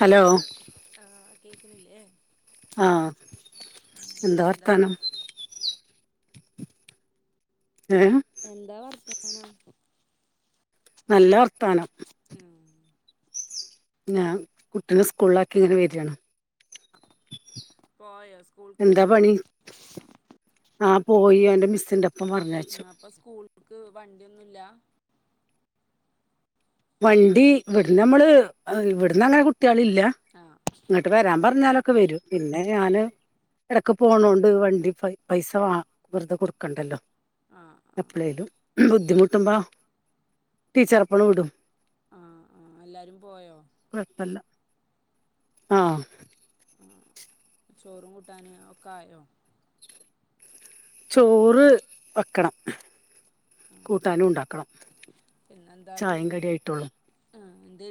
Hello? ആഹ് കേക്കണില്ലേ ആഹ് എന്താ വർത്താനം ഏ എന്താ വർത്താനം നല്ല വർത്താനം ഉം ഞാൻ കുട്ടീെ സ്കൂളില ആാക്കി ഇങ്ങനെ വരിയാണ് പോയോ സ്കൂൾക്ക് എന്താ പണി ആഹ പോയി എന്റെ മിസ്സിന്റെപ്പം പറഞ്ഞ യച്ചു ഇപ്പൊ സ്കൂൾക്ക് വണ്ടിയൊന്നുല്ല വണ്ടി ഇവിടുന്ന് നമ്മള് ഇവിടന്ന് അങ്ങനെ കുട്ടി ള്ഇല്ല ആഹ ഇങ്ങോട്ട് വരാൻ പറഞ്ഞാലൊക്കെ വരും പിന്നെ ഞാൻ എടക്ക് പോണതൊണ്ട് വണ്ടി പൈസ വ വെറുതെ കൊടുക്കണ്ടല്ലോ ആഹ് ആഹ് എപ്പളലും ബുദ്ധിമുട്ടുമ്പോ ടീച്ചർ എപ്പഴ വിടും ആഹ ആ എല്ലാരും പോയോ കൊഴപ്പല്യ ആഹ ആ ചോറും കൂട്ടാന് ഒക്കെ ആയോ ചോറ് വെക്കണം ആഹ് കൂട്ടാനും ഉണ്ടാക്കണം ചായ കടിയ ആായിട്ടുള്ളൂ ആ എന്ത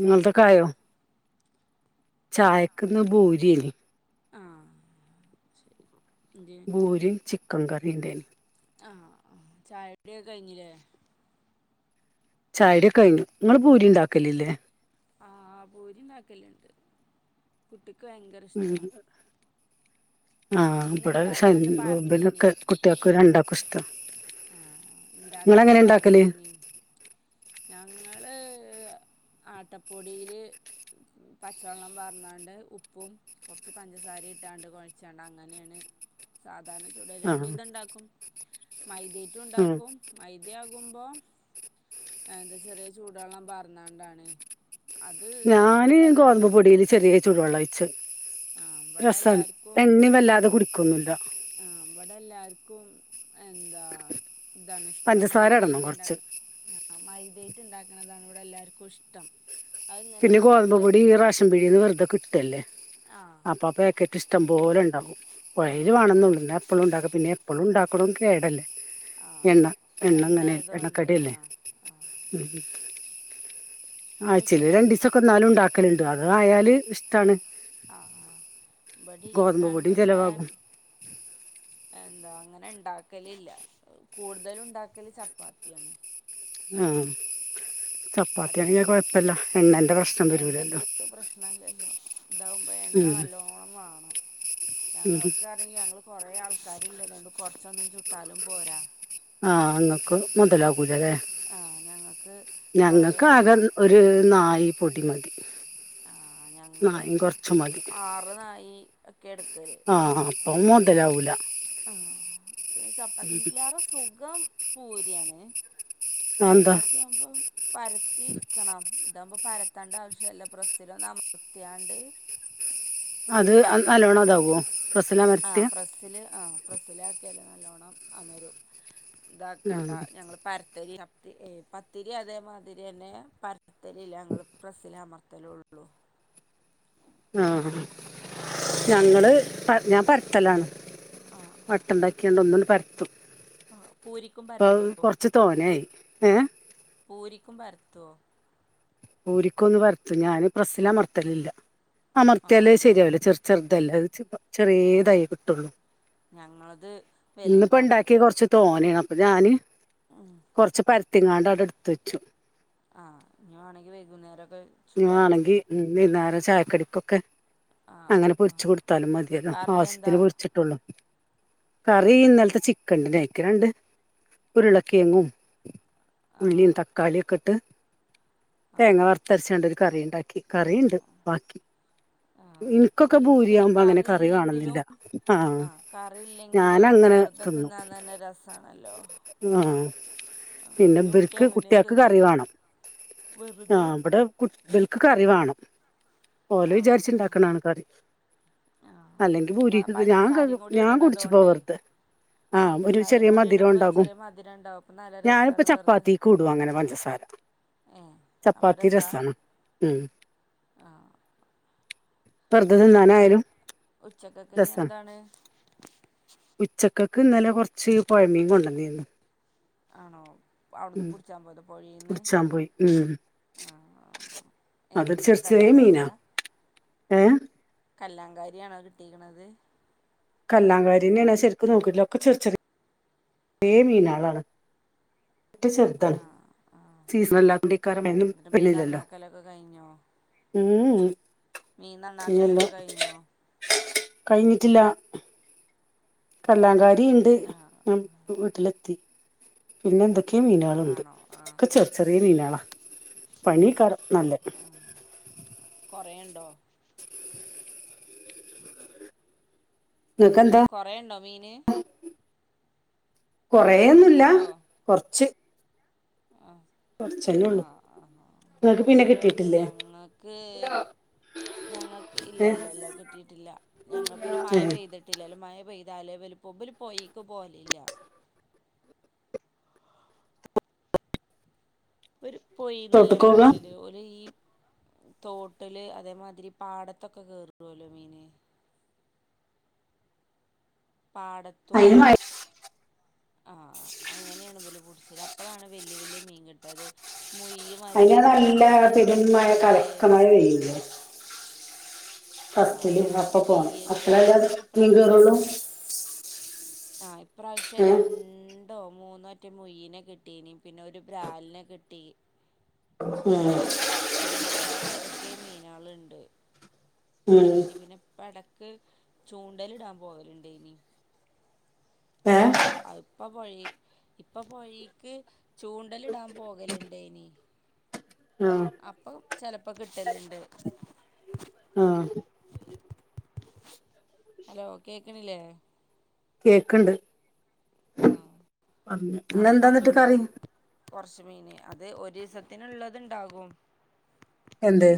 നിങ്ങളു തെക്കെക്കായോ ചായക്കന്ന് ഭൂരിയ ന്ന് ആ ശരി എന്തേ ഭൂരി യുംചിക്കൻ കറി ണ്ടായിരുന്നു ആ ചായടിയൊക്കെ കഴിഞ്ഞില്ലേ ചായടടിക്ക കഴിഞ്ഞു നിങ്ങള് പൂരി ഉണ്ടാക്കലല്ലേ ആഹ പൂരി ണ്ടാക്കല്ുണ്ട് കുട്ടിക്ക് ഭയങ്കര ഇഷ്ട ആഹ ഇവിടെ ഇണ്ടാക്കണംന്ന് പിന്നെ പറഞ്ഞീനി കുട്ടിയക്ക് രണ്ടാാ ക്കൊക്കെ ഇസ്ഷ്ടാ ആഹ ഇണ്ടാക്കണംന്ന് പറഞ്ഞന ഞങ്ങള് ആട്ടപ്പൊടിയില് പച്ചവെള്ളം പററന്നാണ്ട് ഉപ്പും കുറച്ച് പഞ്ചസാര ഇട്ടാണ്ട് കുഴിച്ചാണ്ട് അങ്ങനെയാണ് സാധാരണ ചുടല് ആഹ് രണ്ടും ഇതുണ്ടാക്കും മൈതേറ്റും ആഹ് ഉണ്ടാക്കും മൈദ്യ ആകുമ്പോ എന്താ ചെറിയ ചൂടുവെള്ളം പറർന്നാണ്ടാണ് ഞാന് ഗോതമ്പ് പൊടിയില് ചെറിയ ചൂടുവെള്ളം ഒഴിച്ച് ആഹ് ഇവിടെ രസമാണ് എല്ലാവർക്കും എണ്ണയും വല്ലാതെ കുടിക്കൊന്നുല്ല ഇവിടെ എല്ലാർക്കും എന്താ ഇതാണ് ഇഷ്ടം പഞ്ചസാര ഇടണം മൈതേറ്റ് കുറച്ച് ഉണ്ടാക്കുന്നത് ആ മൈതായിട്ട ഉണ്ടാക്കണതാാണ് ഇവിടെ എല്ലാർക്കും ഇഷ്ടം അതിങ്ങനെ പിന്നെ ഗോതമ്പ നല്ല പൊടി റഷശൻ പിടിന്ന് വെറുതെ കിട്ടല്ലേ ആ അപ്പൊ പാക്കറ്റ് ഇഷ്ടംോലെ ഉണ്ടകും ആ കുയല് ആണെന്നള്ള എപ്പളും ഉണ്ടാക്കും പിന്നെ അപ്പോളും ഉണ്ടാക്കണം കേടല്ലേ ആ എണ്ണ എണ്ണ എണ്ണങ്ങനെ ആയതുകൊണ്ട് ആ എണ്ണക്കടല്ലേ ആ ഉം ഇനി ആഴ്ച്ചയില് ഉച്ചക്ക് രണ്ട സൊക്കെ എന്നാലും ഉണ്ടാക്കലുണ്ട് അതായാല് ഇഷ്ടാണ് ആ ബടി ഗോതമ്പ് ഇഷ്ടാണ് പൊടിയും പക്ഷേ ചെലവാകും എന്താ അങ്ങനെ ഉണ്ടാക്കലില്ല കൂടുതല ഉണ്ടാക്കല് ചപ്പാത്തിയാണ് ആഹ ആട്ട എണ്ണന്റെ ആഹ പ്രശ്നം വരൂലല്ലോ എണ്ണക്ക് പ്രശ്നല്ലല്ലോ ഇതാാവുമ്പോ ഉം എണ്ണ നല്ലോണം വാങ്ങു ഉം ഞങ്ങൾക്ക് അ ഞങ്ങള്ൾ കുറെേ ആൾക്കാരിില്ലതുകൊണ്ട് കുറച്ചൊന്നും ചുട്ടാലും പോരാ ആഹ് അങ്ങക്ക് മുതലാകൂലരെേ ആ ഞങ്ങൾക്ക് കുറേ ആകെ വേണം ഒരു നായി പൊടി മതി ആ ഞങ്ങള് നായും കുറച്ച് മതി ആറ്നായി ഒക്കെ എടുക്കൽ ആ അപ്പം മുതലാവൂല ആഹ് പിന്നെ ചപ്പത്തിന്റെ ലേറെ സുഖം പൂരിയാണ് അതെന്താ ചപ്പാത്തിയാകുമ്പം പരത്തിയിരിക്കണം ഇതാവകുമ്പോ പരത്താണ്ട ആവശ്യല്ല പ്രസ്സിൽ ഒന്ന് അമർത്യാണ്ട് അത് നല്ലോണം ഇതാവോ പ്ര ആ പ്രസ്സില് ആ പ്രസ്സൽ ആക്കിയാല് നല്ലവണ്ണം മരും ആ ഇതാക്കണ്ട ഞങ്ങള് പരത്തരി പ ഏഹ് പത്തിരി അതേമാതിരി തന്നെ പരത്തിരില്ല ഞങ്ങള പ്രസ്സില് അമർത്തല് ഒള്ളൂ ആഹ് ഞങ്ങള് ഞാൻ പരത്തലാണ് ഇട്ടണ്ടാക്കിയണ്ട് ഒന്ന പരത്തും ആഹ് പൂരിക്കും ഇപ്പൊയ് പരത്തുവോ കൊറച്ച് തോന്നായി ഏഹ് പൂരിക്കും പരത്തോ ഒരിക്കും ഒന്ന് പരത്തു ഞാാന് പ്രസ്സൽ അമർത്തലില്ല ആഹ് അമർത്തിയാല് ശരിയല്ല ചെറ ചെറുതല്ല അത് ചെറിയ ആഹ് ഇതായി കിട്ടുള്ളൂ ഞങ്ങളത് ഇന്നിപ്പോ വലുതാണ് ഉണ്ടാക്കിയ കുറച്ച് തോണാണ് അപ്പോ ഞാന് ആഹ് കുറച്ച് പരുത്തിങ്ങാണ്ട് അവിടെ എടുത്ത് വെച്ചു ആഹ് ഇനി വേണമെങ്കിൽ വൈകുന്നേരം ഒക്കെ ഇഞ്മാണെങ്കിൽ വൈന്നേരം ചായ ക്കടിക്കൊക്കെ ആഹ് അങ്ങനെ പൊരിച്ച് ആഹ് കൊടുത്താലും മതിയല്ല കറി എന്താ ആവശ്യത്തിന് പൊരിച്ചിട്ടെള്ളു കറി ഇന്നലത്തെ ചിക്കൻ ഇണ്ട് അയിക്ക് രണ്ട് ഉരുളക്കിഴങ്ങും ആഹ് ഉള്ളിയും തക്കാളിയും ഒക്കെ ഇട്ട് അങ്ങനെ അരച്ചാണ്ട് ഒരു കറി ഇണ്ടാക്കി കറി യുണ്ട് ബാക്കി ആഹ് എനിക്കൊക്കെ പൂരിക്ക് പിന്നെ ഭൂരിയാവുമ്പോ അങ്ങനെ കറി വാണന്നില്ല കറിയില്ലെങ്കിലും ആഹ് ഞാനങ്ങനെ തെ തിന്നും തിന്നാൻ തന്നെ രസമാണല്ലോ ആഹ് പിന്നെ കുട്ടി ഇവർക്ക് അങ്ങനെ കുട്ടികക്ക് കറി തിന്നല് വേണം വെറുതെ ആഹ് ഇവിടെ കുട്ടി ഇവൽക്ക് കറി വേണം ഓലെ ആഹ് വിചാരിച്ച് ആഹ് ഇണ്ടാക്ക്ണാണ് കറി ആഹ് അല്ലെങ്കി മ പൂരിക്ക് ഞാൻ പഞ്ചസാരിം കൂടി ഞാൻ കുടിച്ചു പോ ഇടണതോണ്ടേ വെറുതെ ആഹ് ഒരു പഞ്ചസാരിം ചെറിയ കൂടി മധുരം ഇടുമ്പോ ഒരു ഉണ്ടാകും ചെറിയ മധുരം ഉണ്ടാവും അപ്പം നല്ല ഞാനിപ്പോ രസാണ് വെറുതെ ചപ്പാത്തിക്കും ഇടും അങ്ങനെ പഞ്ചസാര ഏഹ് അപ്പം ചപ്പാത്തി രസാ രസാണ് ഉം ആഹ് വെറുതെ ഉച്ചക്കൊക്ക് തിന്നാനായാലും ഉച്ചക്കൊക്കെ ഇഞ് എന്താണ് ഉച്ചക്കൊക്ക് ഇന്നലെ കുറച്ച് പുഴമീൻ കൊണ്ടുവന്നിരുന്നു ആണോ അവിടുന്ന് പിടിച്ചാ പോയതാ പുടിച്ചാൻ പോയി ഉം ആഹ് എന്ത് അതൊരു ചെർ പിന്നെ ചെർച്ചയായ മീനാ കല്ലാങ്കാരിയാ ഏഹ് കല്ലാംകാരിയാണോ കിട്ടിരിക്കണുന്നത് കല്ലാകാരിന്നെയണ ശെരിക്കും നോക്കിട്ട ഒക്കെ ചെറ ചെറിയ മീനാളാണ് പറ്റ ചെറുതാണ് ആഹ് ആഹ് സീസണ് അല്ലത്തെ ണ്ടെയ്ക്കാരം ആഹ് എന്നിട്ട് മീൻ പിന്നില്ലല്ലോ നന്നാക്കലൊക്കെ കഴിഞ്ഞോ ഉം ഉം മീൻ നന്നാക്കലൊക്കെ കഴിഞ്ഞോ കഴിഞ്ഞിട്ടില്ല കല്ലാകാരി ഉണ്ട് ആഹ് ഞൻ വീട്ടിലെത്തി പിന്നെ എന്തൊക്കെയ മീനുകളുണ്ട് ആണോ ആഹ് ഒക്കെ ചെറി ചെറിയ മീനാളാ പണിയെകാരം നല്ല കുറേയുണ്ടോ ഇങ്ങക്ക് എന്താ കൊറെ ഇണ്ടോ മീന് കൊറേന്നുല്ല കൊറച്ച് ആഹ് കൊറച്ചന്നെ ഉള്ളു ആഹ് ആഹ് ആഹ് ഇങ്ങക്ക് പിന്നെ കിട്ടിയിട്ടില്ലേ ഞങ്ങക്ക് ഞങ്ങക്ക് ഏ ഇല്ലല്ല ഇല്ല കിട്ടീട്ടില്ല ഞങ്ങക്ക് പിന്നെ ഏ മഴ പെയ്ത് ട്ടില്ലല്ലോ മഴ പെയ്താലേ ഇവല് പോ പോയേക്ക് പോവലില്ല ഒര് പോയീന്നല്ല തോട്ട്ക്കോകാ പുട്ച്ചല് ഓല് ഈ തോട്ട്ല് അതേമാതിരി പാടത്തൊക്കെ കേറോല്ലോ മീന് പാടത്തും അയിന് മഴ ആഹ് അങ്ങന്യാണ് ഇവല് പുട്ച്ചല് അപ്പളാണ് വല്യ വല്യ മീൻ കിട്ടത് മൊയ്യ് അയിന് മാരിക്കത്തെക്കെ നല്ല മീന് പെരും മഴ മൊയ്യ് [unintelligible] ആഹ് ഫസ്റ്റില് അപ്പ പോണം മൊയ്യ് ബരാ അപ്പളല്ലേ ഞങ്ങക്ക് മീൻ ഇപ്രാശ്യം കേറുള്ളൂ ആഹ് ഇപ്രാവശ്യം ഏ രൺ ണ്ടോ മൂന്നോറ്റെ മൊയ്യിനെ കിട്ടീനി പിന്നൊരു ബ്രാല്നെ കിട്ടി ഉം പിന്നെ വേറെ ഏതെക്കെ മീനേള്ണ്ട് അതൊക്കെ ഉം കിട്ടി പിന്നെ എടക്ക് ചൂണ്ടല്ടാൻ പോവല്ണ്ടേനി ഏ അത്പ്പൊ പൊഴേ ഇപ്പ പൊഴീക്ക് ചൂണ്ടല്ടാൻ പോകല്ണ്ടേനി ആഹ് അപ്പം ചെലപ്പകിട്ടല്ണ്ട് ആഹ് ഹലോ കേക്ക്ണില്ലേ? കേക്ക്ണ്ട് ആ പറഞ്ഞ അപ്പം ഇന്നെന്താന്നിട്ട് കറി കിട്ടും കൊറച്ച് മീന് അത് ഒരീസത്തിന്ള്ളത്ണ്ടാകും എന്ത്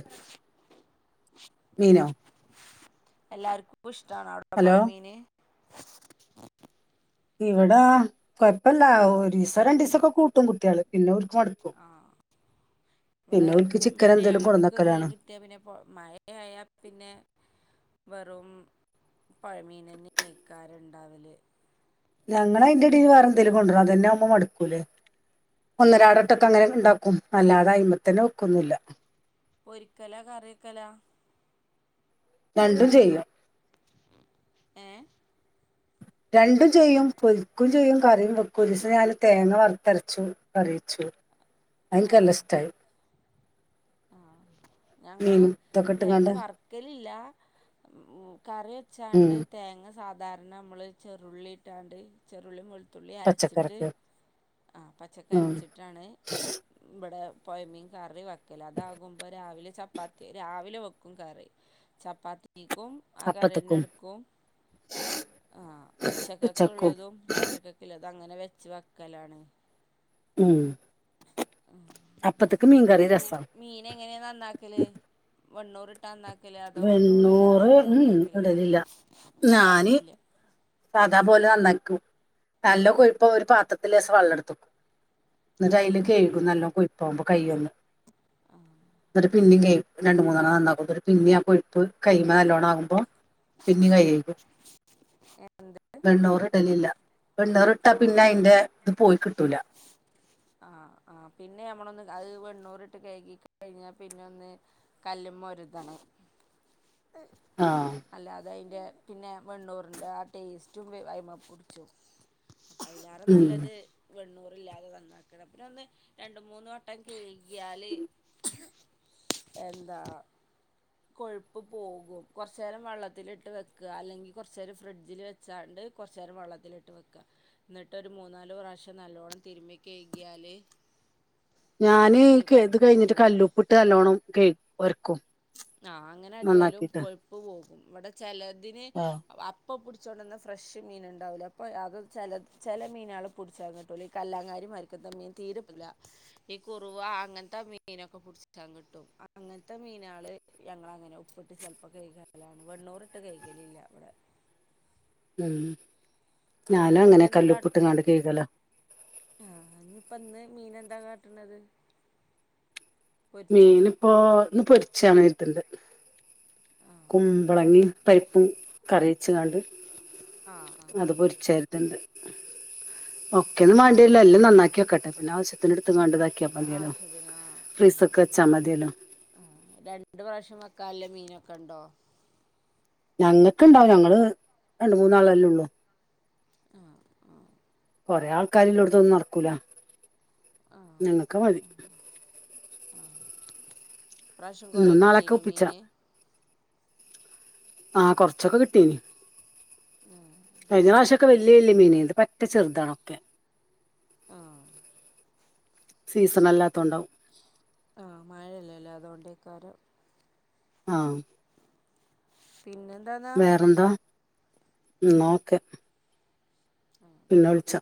മീനോ എല്ലാർക്കുഷ്ടാണോ അവടെ ഹലോ പൊയ മീന് ഇവടാ കൊഴപ്പല്ല ഒരീസം രണ്ടീസൊക്കെ കൂട്ടും കുട്ട്യേള് പിന്നെ ഒല് മട്ക്കും പിന്നെ ഓല്ക്ക് ചിക്കനെന്തേലും കൊട്ന്നക്കലാണ്. ട്ട്യാ പിന്നെ പൊ മഴയായ പിന്നെ വെറും പൊഴമീനെന്നേയ്ക്കാരം ഇണ്ടാവല് ഞങ്ങളയിന്റെടേല് വേറെന്തേലും കൊണ്ടരും അതെന്നാവുമ്പം മട്ക്കൂലേ ഒന്നരാടോട്ടൊക്കെ ഉം അങ്ങനെണ്ടാക്കും അല്ലാതായ്മതന്നെ വെക്കൊന്നുല്ല പൊരിക്കലാ കറിക്കെലാ രണ്ടും ചെയ്യും. ഏഹ് രണ്ടും ചെയ്യും പൊരിക്കും ചെയ്യും കറിം വെ ഒരീസം ഞാന് തേങ്ങ വറ്ത്തരച്ചു കറിവെച്ചു. അത് ഇൻക്ക് ആ നല്ലഷ്ട്ടായി. ആഹ് ഞങ്ങളും ഇതൊക്കെ തേങ്ങ ഇട്ട്ങ്ങാണ്ട് വറ് ക്കല് ല്ലാ ഉം കറി ഉം വെച്ചാണ്ട് തേങ്ങ സാധാരണമ്മള് ചെറുള്ളിട്ടാണ്ട് ചെറുള്ളി വെള് ത്തുള്ളി അരച്ചിട്ട് പച്ചക്കറിക്ക് ആഹ് ഉം പച്ചക്കരച്ച് ട്ടാണ് ഇബടെ പൊയമീൻ കറി വെക്കല് അതാകും രാവിലെ ചപ്പാത്തി രാവിലെ വെക്കും കറി ചപ്പാത്തീക്കും ആ അപ്പത്ത്ക്കും കറിന്നെട്ക്കും ആഹ് ഉച്ചക്കും ഉച്ചക്കക്ക്ള്ളതും രാത്രിക ക്ക്ല്ലതങ്ങനെ വെച്ച് വെക്കലാണ് ഉം ഉം അപ്പത്ത്ക്ക് മീൻകറി രസം മീനെങ്ങനേ നന്നാക്കല് വെണ്ണൂറ് നന്നാക്കല് അതോ വെണ്ണൂറി വെണ്ണൂറ് ല്ലാതെണോ ഉം നന്നാക്കല് ഇടലില്ല ഇടില്ല സാദാ പോലെ നന്നാക്കും നല്ല കൊഴ്പ്പോ ഒരു പാത്രത്തിലേസം വള്ളടുക്കും. ന്ന്ട്ടയില് ആഹ് കെഴുകും നല്ലോം കൊഴ്പ്പാവുമ്പോ കയ്യൊന്ന് ന്നട്ട് പിന്നും കേയും രണ്ട് മൂന്നണ്ണം നന്നാക്കും ന്നട്ട് പിന്നിം ആ കൊഴുപ്പ് കയ്യ്മ്മെ നല്ലോണ്ണം ആകുമ്പോ പിന്നിം കയ്കും. എന്ത് വെണ്ണൂറിടലില്ല വെൺണ്ണൂറിട്ടാ പിന്നെ ആഹ് അയിന്റെ ത് പോയികിട്ടൂല. ആഹ് ആ പിന്നെ നമ്മളൊന്ന് അഹ് വെണ്ണൂറിട്ട് കഴ്കി കഴിഞ്ഞാ പിന്നൊന്ന് കല്ലുമ്മൊരുതണം. ആഹ് അല്ലാതെ അയ്ൻ്റെ പിന്നെ വെണ്ണൂറിൻ്റെ ആ ടേസ്റ്റും അയ്മേപുടിച്ചും ആയിലാറെ ഉം നല്ലത് വെണ്ണൂർയില്ലാതെ തന്നാ പി ഒന്ന് രണ്ടു മൂന്ന് വട്ടം കെഴുകിയാൽ എന്താ കൊഴുപ്പ് പോകും കൊറേചേരം വെള്ളത്തിലിട്ട് വെക്കാ അല്ലെങ്കിൽ കൊറേചേരം ഫ്രിഡ്ജിൽ വെ വച്ചാണ്ട് കൊറച്ചു നേരം വെള്ളത്തിലിട്ട് വെക്കാ ന്നട്ട് ഒരു മൂന്നാല് പ്രാവശ്യം നല്ലവോണ്ണം തിരുമ്മി കഴുകിയാൽ ഞാന് അതിൻ്റെ ഇത് ചെയ്ത് കൊഴുപ്പൊക്കെ കഴിഞ്ഞിട്ട് പോകും കല്ലുപ്പിട്ട് നല്ലോണം കഴ് ഒരുക്കും ആ അങ്ങനെ ആട്ടിയാലും കൊഴപ്പ് പോകും ഇവടെ ചെലതിന് ആഹ് അ ഇപ്പോൾ പിടിച്ചോണ്ടന്നാ ഫ്രഷ് മീൻ ഇണ്ടാവുല്ലേ അപ്പോ അത് ചെലത് ചെല മീനാൾ പുടിചാൻ കിട്ടൂലെ ഈ കല്ലാങ്കാരിമാരിക്ക് ക്ക്തെ മീൻ തീരെ കിട്ടുല ഈ കുറവാ അങ്ങനത്തെ മീനൊക്കെ പുടികാൻ കിട്ടും അങ്ങനത്തെ മീനാൾ ഞങ്ങളങ്ങനെ ഉപ്പിട്ട് ചെലപ്പോ കൈകലാണ് വെണ്ണൂറിട്ട് കൈകലില്ല ഇവിടെ ഉം ഞാനും ഇന്നിപ്പം ഇനി അങ്ങനെ കല്ലുപ്പിട്ട്ങ്ങാട്ട് കൈകലാ ആഹ ഇഞ് ഇപ്പ ഇന്ന് മീനെന്താ കാട്ട്ണത്. മീൻ ഇപ്പോ ഇന്ന് പൊരിച്ചാണ് കരുതിയത് [unintelligible] ആഹ് കുമ്പളങ്ങി പരിപ്പും കറിവച്ച്ങ്ങാണ്ട് ആഹ് ആഹ് അത് പൊരിച്ച ണ്ട് ഒകെന്നും മാണ്ടി വരൂല എല്ലും നന്നാക്കി വെക്കട്ടെ പിന്നെ ആവശ്യത്തിന് ഇടുത്തുങാണ്ട് ഇതാക്കിയാൽ മതിയല്ലോ ആവശ്യത്തിന് ഫ്രീസർക് വെച്ചാമതിയല്ലോ ആ രണ്ട് പ്രാവിശ്യം വെക്കാന്ളെ മീനൊക്കെ ഉണ്ടോ ഞങ്ങൾക്ക് ഇണ്ടാവും ഞങ്ങള് രണ്ട് മൂന്നാളല്ലേ ഒള്ളൂ ആഹ് ആഹ് കൊറെ ആൾക്കാര് ഇള്ളോട്തൊന്നും നടക്കൂല ഞങ്ങൾക്ക് മതി ആഹ് ആഹ് ഈ പ്രാവശ്യം കൊറെ ഇന്നും നാളെയൊക്കെ കിട്ടിനോ ഒപ്പിച്ചാ മീന് ആഹ കൊറച്ചൊക്കെ കിട്ടീന് ആഹ് കഴിഞ്ഞാപ്രാവിശ്യൊക്കെ വല്യ വല്യ മീനെനി ഇത് പറ്റെ ചെറുതാണൊക്കെ ആഹ് സീസൺ അല്ലാത്തോണ്ടാവും ആഹ മഴെലല്ലേ അതോണ്ടാകാരം ആഹ് പിന്നെ എന്താ വേറെന്താ ന്നാ ഒക്കെ ആഹ [inaudible] പിന്നെ വിളിച്ചാ